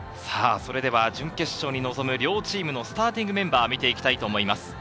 準決勝に臨む両チームのスターティングメンバーを見ていきたいと思います。